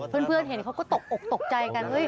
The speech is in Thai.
เพื่อนเห็นเขาก็ตกอกตกใจกัน